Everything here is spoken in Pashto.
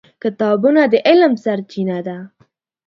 کتابونه د علم سرچینه ده.